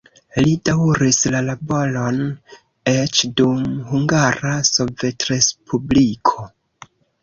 Li daŭris la laboron eĉ dum Hungara Sovetrespubliko.